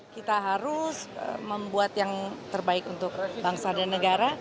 kita harus membuat yang terbaik untuk bangsa dan negara